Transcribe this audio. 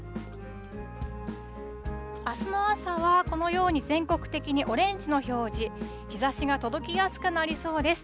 あすの朝は、このように全国的にオレンジの表示、日ざしが届きやすくなりそうです。